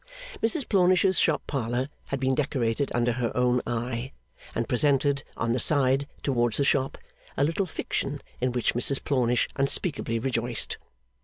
Mrs Plornish's shop parlour had been decorated under her own eye, and presented, on the side towards the shop, a little fiction in which Mrs Plornish unspeakably rejoiced.